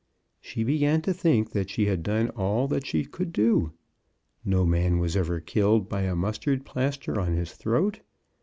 She began to think that she had done all that she could do. No man was ever killed by a mustard plaster on his throat.